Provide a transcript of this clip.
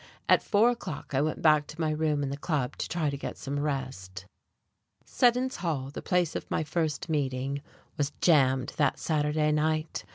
At four o'clock I went back to my room in the Club to try to get some rest.... Seddon's Hall, the place of my first meeting, was jammed that Saturday night.